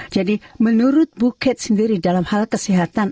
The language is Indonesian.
jadi menurut bu gat sendiri dalam hal kesehatan